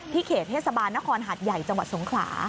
ที่เขตเทศบานฮัทย์ใหญ่จังหวัดสงขลา